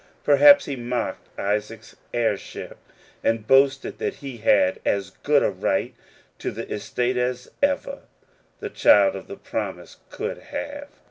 Per haps he mocked Isaac's heirships and boasted that he had as good a right to the estate as ever the child of the promise could have.